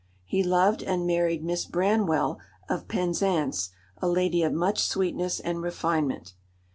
He loved and married Miss Branwell, of Penzance, a lady of much sweetness and refinement.